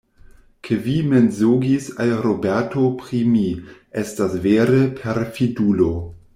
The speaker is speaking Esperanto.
Ke vi mensogis al Roberto pri mi, estas vere, perfidulo.